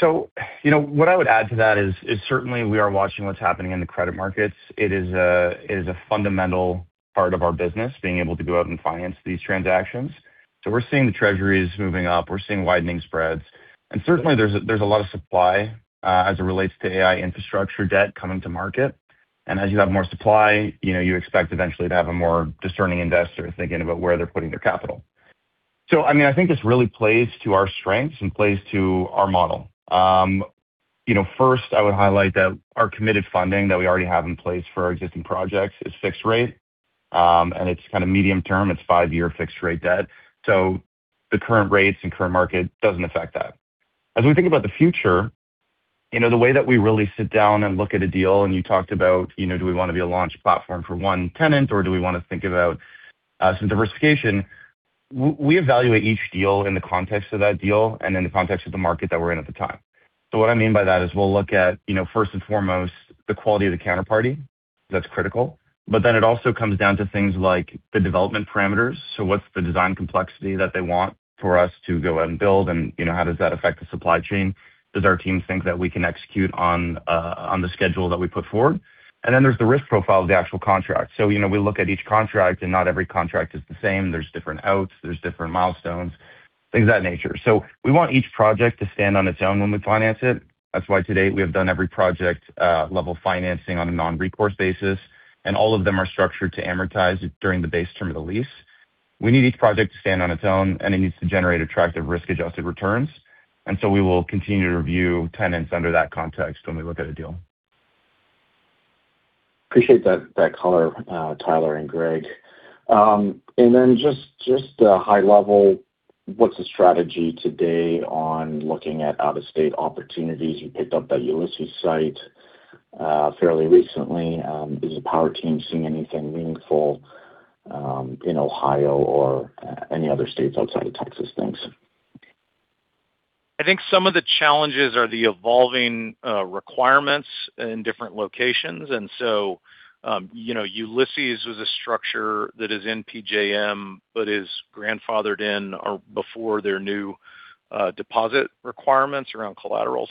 What I would add to that is certainly we are watching what's happening in the credit markets. It is a fundamental part of our business, being able to go out and finance these transactions. We're seeing the treasuries moving up. We're seeing widening spreads. Certainly there's a lot of supply as it relates to AI infrastructure debt coming to market. As you have more supply, you expect eventually to have a more discerning investor thinking about where they're putting their capital. I think this really plays to our strengths and plays to our model. First, I would highlight that our committed funding that we already have in place for our existing projects is fixed rate, and it's kind of medium term. It's five-year fixed rate debt. The current rates and current market doesn't affect that. As we think about the future, the way that we really sit down and look at a deal, you talked about, do we want to be a launch platform for one tenant or do we want to think about some diversification? We evaluate each deal in the context of that deal and in the context of the market that we're in at the time. What I mean by that is we'll look at, first and foremost, the quality of the counterparty. That's critical. It also comes down to things like the development parameters. What's the design complexity that they want for us to go out and build and how does that affect the supply chain? Does our team think that we can execute on the schedule that we put forward? There's the risk profile of the actual contract. We look at each contract, and not every contract is the same. There's different outs, there's different milestones, things of that nature. We want each project to stand on its own when we finance it. That's why to date, we have done every project level financing on a non-recourse basis, and all of them are structured to amortize during the base term of the lease. We need each project to stand on its own, and it needs to generate attractive risk-adjusted returns. We will continue to review tenants under that context when we look at a deal. Appreciate that color, Tyler and Greg. Just a high level, what's the strategy today on looking at out-of-state opportunities? You picked up that Ulysses site fairly recently. Is the power team seeing anything meaningful in Ohio or any other states outside of Texas? Thanks. I think some of the challenges are the evolving requirements in different locations. Ulysses was a structure that is in PJM, but is grandfathered in before their new deposit requirements around collateral.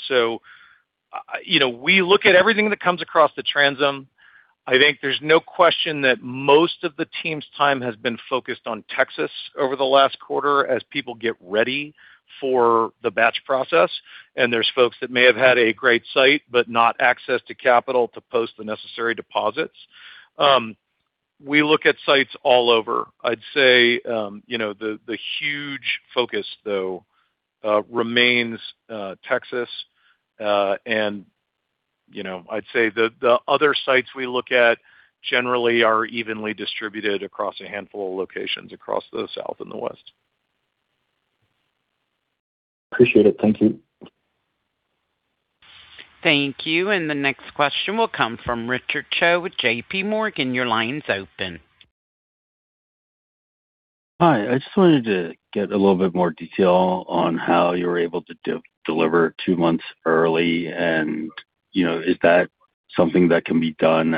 We look at everything that comes across the transom. I think there's no question that most of the team's time has been focused on Texas over the last quarter as people get ready for the batch process, and there's folks that may have had a great site, but not access to capital to post the necessary deposits. We look at sites all over. I'd say the huge focus, though, remains Texas. I'd say the other sites we look at generally are evenly distributed across a handful of locations across the South and the West. Appreciate it. Thank you. Thank you. The next question will come from Richard Choe with JPMorgan. Your line's open. Hi. I just wanted to get a little bit more detail on how you were able to deliver two months early, is that something that can be done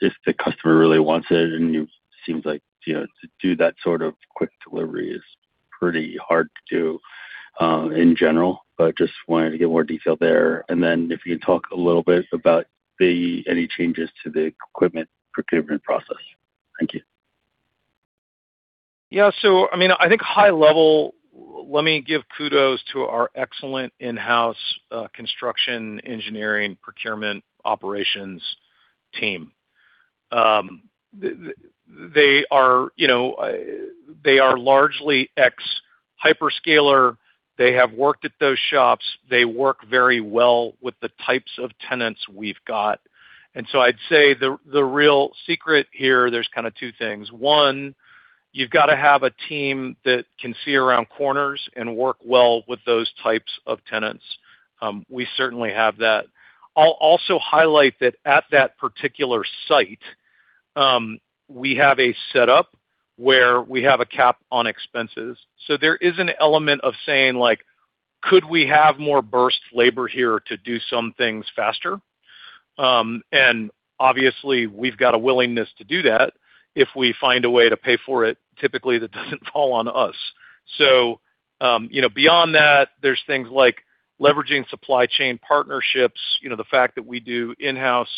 if the customer really wants it and seems like to do that sort of quick delivery is pretty hard to do in general, just wanted to get more detail there. Then if you could talk a little bit about any changes to the equipment procurement process. Thank you. Yeah. I think high level, let me give kudos to our excellent in-house construction engineering procurement operations team. They are largely ex-hyperscaler. They have worked at those shops. They work very well with the types of tenants we've got. I'd say the real secret here, there's kind of two things. One, you've got to have a team that can see around corners and work well with those types of tenants. We certainly have that. I'll also highlight that at that particular site, we have a setup where we have a cap on expenses. There is an element of saying, like, could we have more burst labor here to do some things faster? Obviously, we've got a willingness to do that if we find a way to pay for it, typically that doesn't fall on us. Beyond that, there's things like leveraging supply chain partnerships. The fact that we do in-house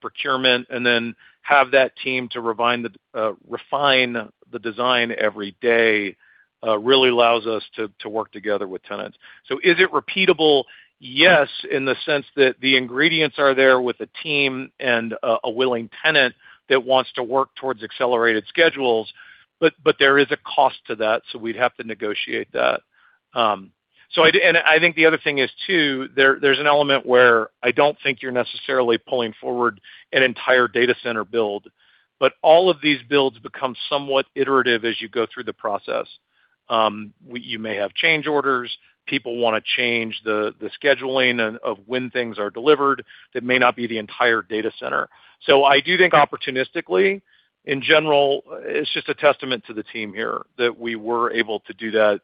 procurement and then have that team to refine the design every day really allows us to work together with tenants. Is it repeatable? Yes, in the sense that the ingredients are there with a team and a willing tenant that wants to work towards accelerated schedules, there is a cost to that, we'd have to negotiate that. I think the other thing is too, there's an element where I don't think you're necessarily pulling forward an entire data center build, all of these builds become somewhat iterative as you go through the process. You may have change orders. People want to change the scheduling of when things are delivered that may not be the entire data center. I do think opportunistically, in general, it's just a testament to the team here that we were able to do that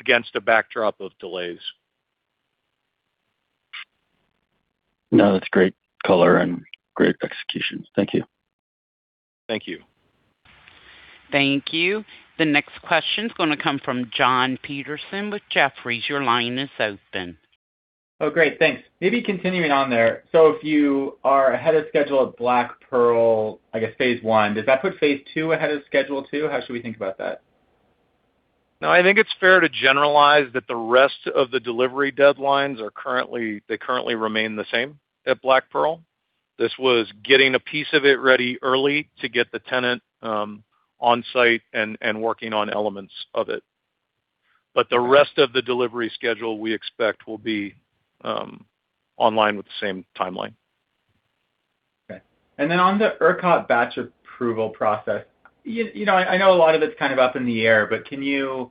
against a backdrop of delays. No, that's great color and great execution. Thank you. Thank you. Thank you. The next question's going to come from Jon Petersen with Jefferies. Your line is open. Great. Thanks. Maybe continuing on there. If you are ahead of schedule at Black Pearl, I guess phase I, does that put phase II ahead of schedule too? How should we think about that? No, I think it's fair to generalize that the rest of the delivery deadlines currently remain the same at Black Pearl. This was getting a piece of it ready early to get the tenant on-site and working on elements of it. The rest of the delivery schedule, we expect will be online with the same timeline. Okay. On the ERCOT batch approval process, I know a lot of it's kind of up in the air, but can you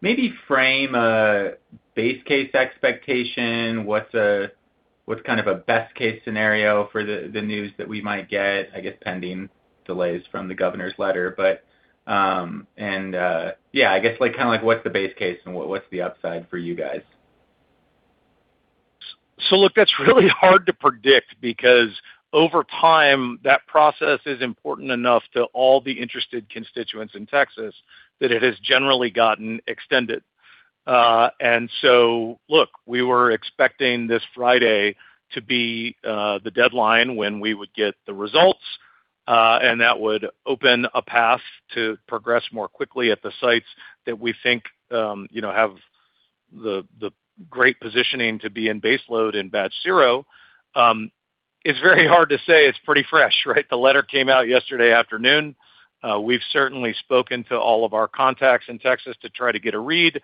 maybe frame a base case expectation? What's kind of a best case scenario for the news that we might get, I guess, pending delays from the Governor's letter. I guess kind of what's the base case and what's the upside for you guys? Look, that's really hard to predict because over time, that process is important enough to all the interested constituents in Texas that it has generally gotten extended. Look, we were expecting this Friday to be the deadline when we would get the results and that would open a path to progress more quickly at the sites that we think have the great positioning to be in baseload in Batch Zero. It's very hard to say it's pretty fresh, right? The letter came out yesterday afternoon. We've certainly spoken to all of our contacts in Texas to try to get a read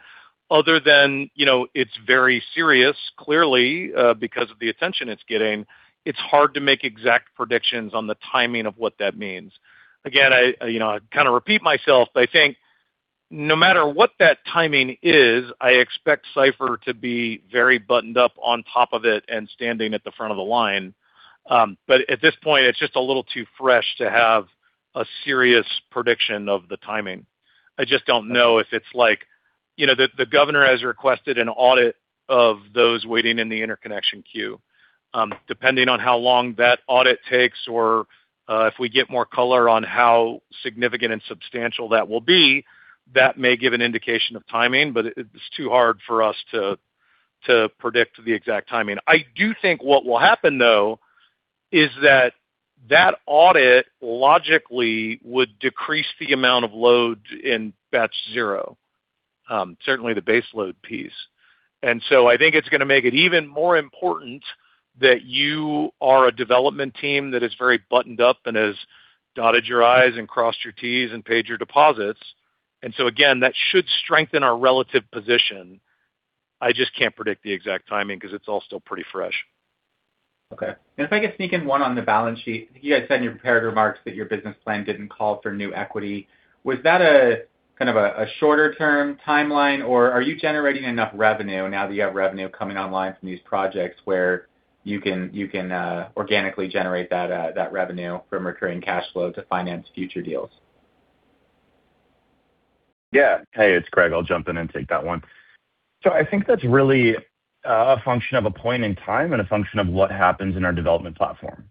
other than, it's very serious, clearly, because of the attention it's getting. It's hard to make exact predictions on the timing of what that means. I kind of repeat myself, I think no matter what that timing is, I expect Cipher to be very buttoned up on top of it and standing at the front of the line. At this point, it's just a little too fresh to have a serious prediction of the timing. I just don't know if it's like the Governor has requested an audit of those waiting in the interconnection queue. Depending on how long that audit takes or if we get more color on how significant and substantial that will be, that may give an indication of timing, it's too hard for us to predict the exact timing. I do think what will happen, though, is that that audit logically would decrease the amount of load in Batch Zero. Certainly the baseload piece. I think it's going to make it even more important that you are a development team that is very buttoned up and has dotted your I's and crossed your T's and paid your deposits. Again, that should strengthen our relative position. I just can't predict the exact timing because it's all still pretty fresh. Okay. If I could sneak in one on the balance sheet. I think you guys said in your prepared remarks that your business plan didn't call for new equity. Was that a kind of a shorter term timeline, or are you generating enough revenue now that you have revenue coming online from these projects where you can organically generate that revenue from recurring cash flow to finance future deals? Yeah. Hey, it's Greg. I'll jump in and take that one. I think that's really a function of a point in time and a function of what happens in our development platform.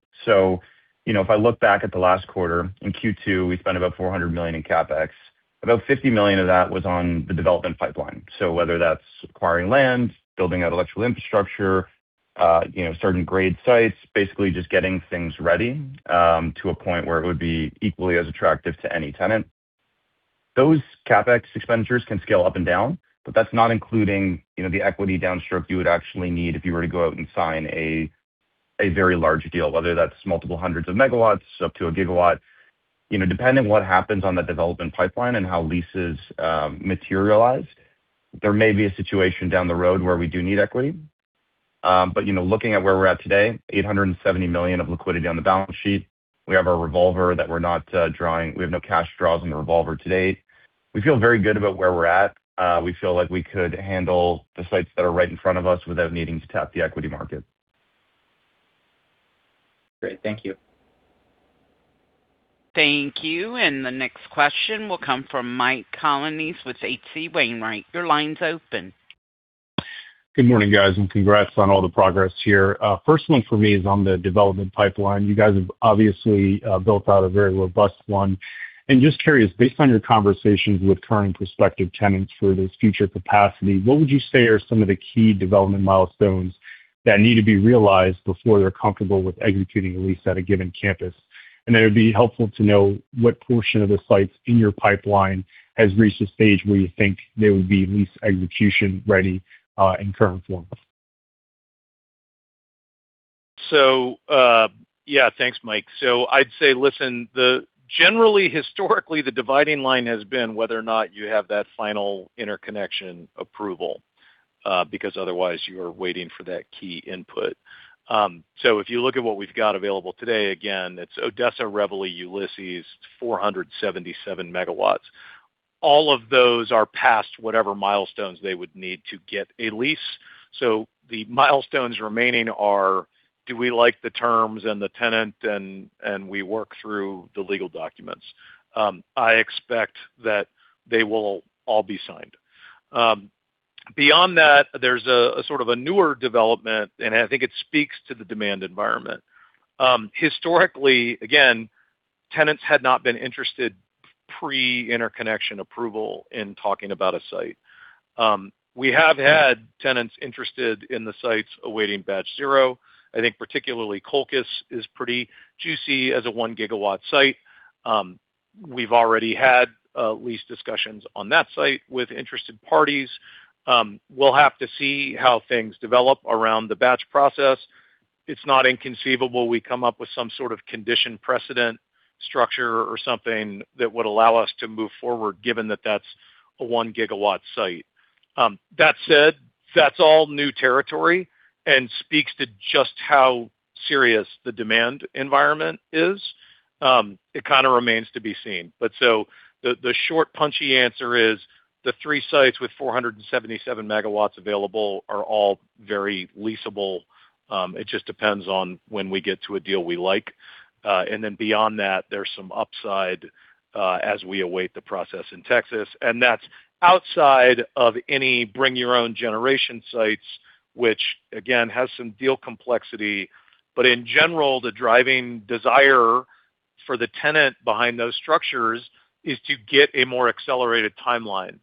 If I look back at the last quarter, in Q2, we spent about $400 million in CapEx. About $50 million of that was on the development pipeline. Whether that's acquiring land, building out electrical infrastructure, certain grade sites, basically just getting things ready to a point where it would be equally as attractive to any tenant. Those CapEx expenditures can scale up and down, that's not including the equity down stroke you would actually need if you were to go out and sign a very large deal, whether that's multiple hundreds of megawatts, up to a gigawatt. Depending what happens on the development pipeline and how leases materialize, there may be a situation down the road where we do need equity. Looking at where we're at today, $870 million of liquidity on the balance sheet. We have our revolver that we're not drawing. We have no cash draws on the revolver to date. We feel very good about where we're at. We feel like we could handle the sites that are right in front of us without needing to tap the equity market. Great. Thank you. Thank you. The next question will come from Mike Colonnese with H.C. Wainwright. Your line's open. Good morning, guys. Congrats on all the progress here. First one for me is on the development pipeline. You guys have obviously built out a very robust one. Just curious, based on your conversations with current prospective tenants for this future capacity, what would you say are some of the key development milestones that need to be realized before they're comfortable with executing a lease at a given campus? Then it would be helpful to know what portion of the sites in your pipeline has reached a stage where you think they would be lease execution-ready in current form. Yeah. Thanks, Mike. I'd say, listen, generally historically, the dividing line has been whether or not you have that final interconnection approval. Otherwise you are waiting for that key input. If you look at what we've got available today, again, it's Odessa, Reveille, Ulysses, 477 MW. All of those are past whatever milestones they would need to get a lease. The milestones remaining are do we like the terms and the tenant and we work through the legal documents? I expect that they will all be signed. Beyond that, there's a newer development, and I think it speaks to the demand environment. Historically, again, tenants had not been interested pre-interconnection approval in talking about a site. We have had tenants interested in the sites awaiting Batch Zero. I think particularly Colchis is pretty juicy as a 1 GW site. We've already had lease discussions on that site with interested parties. We'll have to see how things develop around the batch process. It's not inconceivable we come up with some sort of condition precedent structure or something that would allow us to move forward given that that's a 1 GW site. That said, that's all new territory and speaks to just how serious the demand environment is. It kind of remains to be seen. The short, punchy answer is the three sites with 477 MW available are all very leasable. It just depends on when we get to a deal we like. Beyond that, there's some upside as we await the process in Texas, and that's outside of any bring your own generation sites, which again, has some deal complexity. In general, the driving desire for the tenant behind those structures is to get a more accelerated timeline.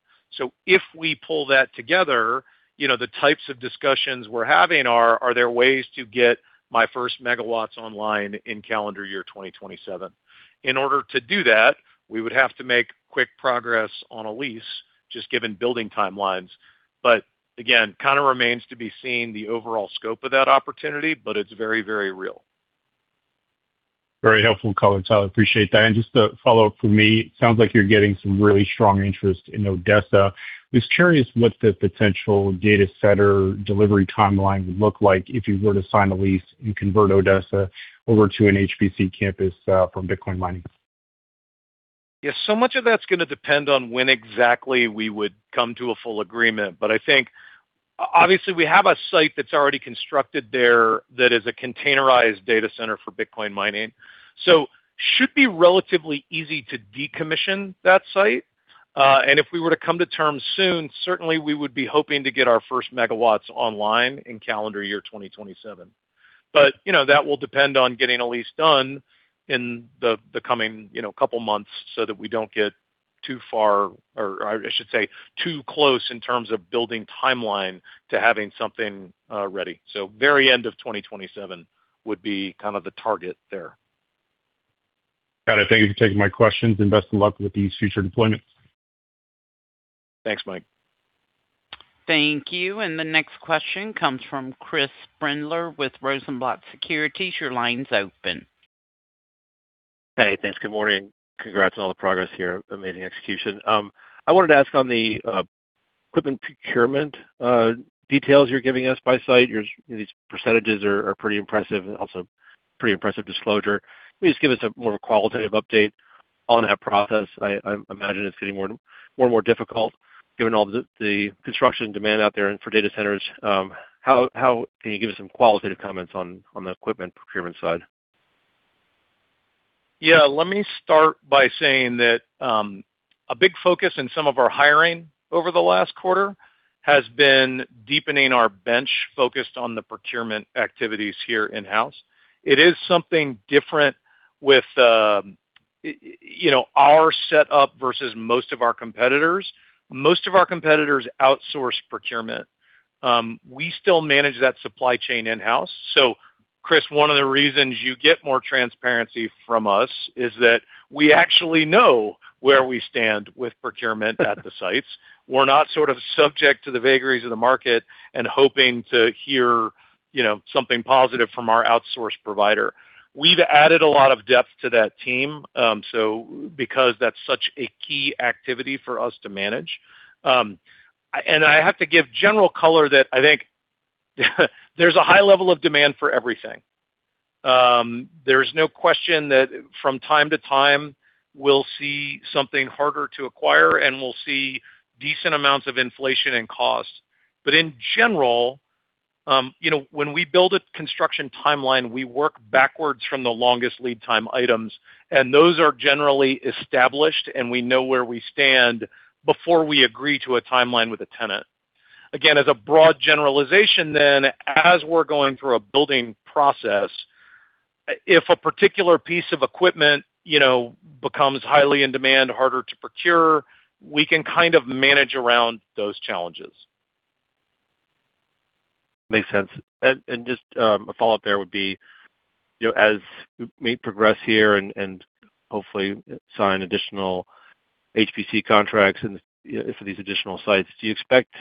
If we pull that together, the types of discussions we're having are there ways to get my first megawatts online in calendar year 2027? In order to do that, we would have to make quick progress on a lease, just given building timelines. Again, kind of remains to be seen the overall scope of that opportunity but it's very very real. Very helpful color, Tyler, appreciate that. Just a follow-up from me. Sounds like you're getting some really strong interest in Odessa. Just curious what the potential data center delivery timeline would look like if you were to sign a lease and convert Odessa over to an HPC campus from Bitcoin mining. Yeah. Much of that is going to depend on when exactly we would come to a full agreement. I think obviously we have a site that is already constructed there that is a containerized data center for Bitcoin mining. Should be relatively easy to decommission that site. If we were to come to terms soon, certainly we would be hoping to get our first megawatts online in calendar year 2027. That will depend on getting a lease done in the coming couple of months so that we don't get too far, or I should say too close in terms of building timeline to having something ready. Very end of 2027 would be kind of the target there. Got it. Thank you for taking my questions and best of luck with these future deployments. Thanks, Mike. Thank you. The next question comes from Chris Brendler with Rosenblatt Securities. Your line's open. Hey, thanks. Good morning. Congrats on all the progress here. Amazing execution. I wanted to ask on the equipment procurement details you're giving us by site. These percentages are pretty impressive and also pretty impressive disclosure. Can you just give us a more of a qualitative update on that process? I imagine it's getting more and more difficult given all the construction demand out there and for data centers. Can you give us some qualitative comments on the equipment procurement side? Yeah. Let me start by saying that, a big focus in some of our hiring over the last quarter has been deepening our bench focused on the procurement activities here in-house. It is something different with our setup versus most of our competitors. Most of our competitors outsource procurement. We still manage that supply chain in-house. Chris, one of the reasons you get more transparency from us is that we actually know where we stand with procurement at the sites. We're not sort of subject to the vagaries of the market and hoping to hear something positive from our outsource provider. We've added a lot of depth to that team because that's such a key activity for us to manage. I have to give general color that I think there's a high level of demand for everything. There's no question that from time to time we'll see something harder to acquire and we'll see decent amounts of inflation and cost. In general, when we build a construction timeline, we work backwards from the longest lead time items, and those are generally established and we know where we stand before we agree to a timeline with a tenant. Again, as a broad generalization then, as we're going through a building process, if a particular piece of equipment becomes highly in demand, harder to procure, we can kind of manage around those challenges. Makes sense. Just a follow-up there would be, as we progress here and hopefully sign additional HPC contracts for these additional sites, do you expect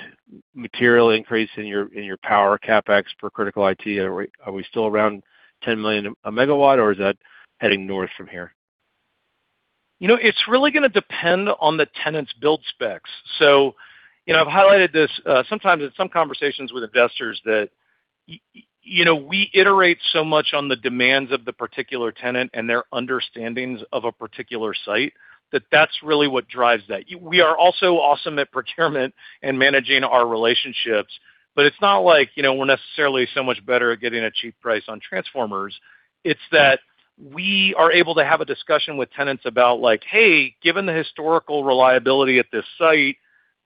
material increase in your power CapEx per critical IT? Are we still around $10 million a megawatt or is that heading north from here? It's really going to depend on the tenant's build specs. I've highlighted this sometimes in some conversations with investors that we iterate so much on the demands of the particular tenant and their understandings of a particular site that that's really what drives that. We are also awesome at procurement and managing our relationships, but it's not like we're necessarily so much better at getting a cheap price on transformers. It's that we are able to have a discussion with tenants about, like, "Hey, given the historical reliability at this site,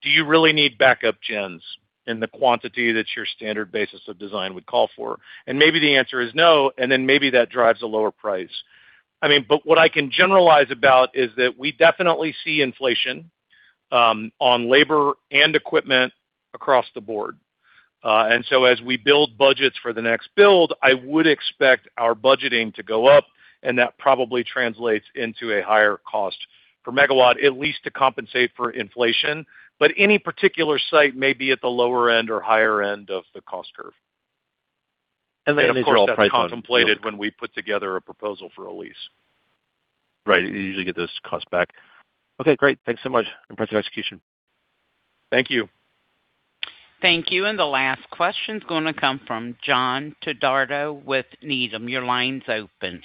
do you really need backup gens in the quantity that your standard basis of design would call for?" Maybe the answer is no, maybe that drives a lower price. What I can generalize about is that we definitely see inflation on labor and equipment across the board. As we build budgets for the next build, I would expect our budgeting to go up, and that probably translates into a higher cost per megawatt, at least to compensate for inflation. Any particular site may be at the lower end or higher end of the cost curve. Of course, you're all price on- That's contemplated when we put together a proposal for a lease. Right. You usually get those costs back. Okay, great. Thanks so much. Impressive execution. Thank you. Thank you. The last question is going to come from John Todaro with Needham. Your line's open.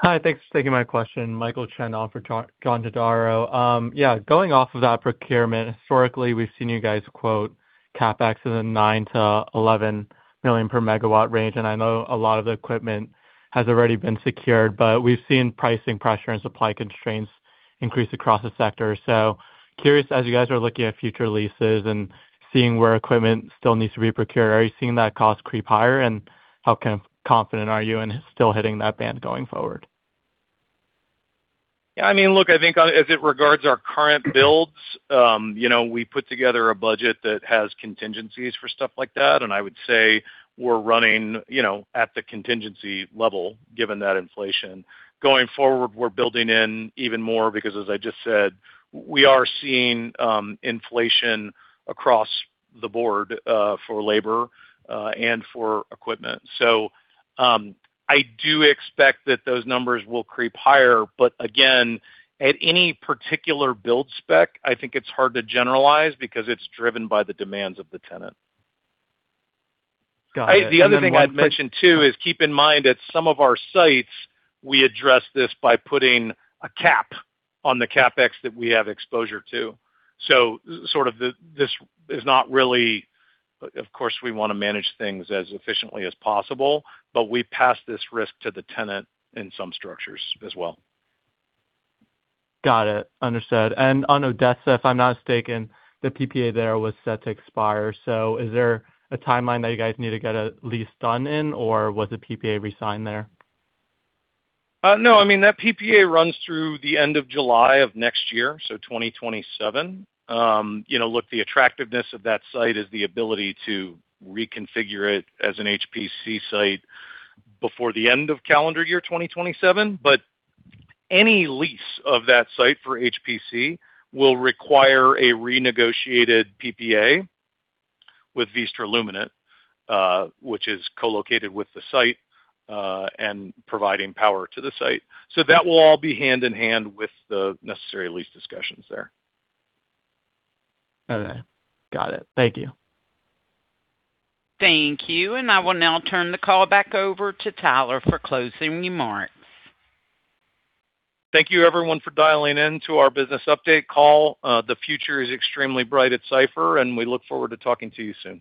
Hi, thanks for taking my question. Michael Chen off for John Todaro. Yeah. Going off of that procurement, historically, we've seen you guys quote CapEx in the $9 million-$11 million per megawatt range, I know a lot of the equipment has already been secured, we've seen pricing pressure and supply constraints increase across the sector. Curious, as you guys are looking at future leases and seeing where equipment still needs to be procured, are you seeing that cost creep higher, and how confident are you in still hitting that band going forward? Yeah. Look, I think as it regards our current builds, we put together a budget that has contingencies for stuff like that, and I would say we're running at the contingency level given that inflation. Going forward, we're building in even more because, as I just said, we are seeing inflation across the board for labor and for equipment. I do expect that those numbers will creep higher. Again, at any particular build spec, I think it's hard to generalize because it's driven by the demands of the tenant. Got it. The other thing I'd mention, too, is keep in mind at some of our sites, we address this by putting a cap on the CapEx that we have exposure to. This is not really, of course, we want to manage things as efficiently as possible, we pass this risk to the tenant in some structures as well. Got it. Understood. On Odessa, if I'm not mistaken, the PPA there was set to expire. Is there a timeline that you guys need to get a lease done in, or was the PPA resigned there? No. That PPA runs through the end of July of next year, so 2027. Look, the attractiveness of that site is the ability to reconfigure it as an HPC site before the end of calendar year 2027. Any lease of that site for HPC will require a renegotiated PPA with Vistra Luminant, which is co-located with the site, and providing power to the site. That will all be hand in hand with the necessary lease discussions there. Okay. Got it. Thank you. Thank you. I will now turn the call back over to Tyler for closing remarks. Thank you everyone for dialing in to our business update call. The future is extremely bright at Cipher, we look forward to talking to you soon.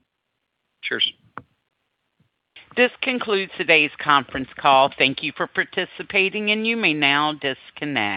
Cheers. This concludes today's conference call. Thank you for participating, and you may now disconnect.